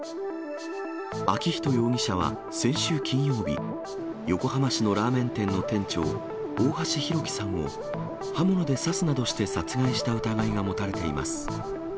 昭仁容疑者は先週金曜日、横浜市のラーメン店の店長、大橋弘輝さんを刃物で刺すなどして殺害した疑いが持たれています。